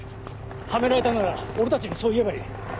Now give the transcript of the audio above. はめられたなら俺たちにそう言えばいい。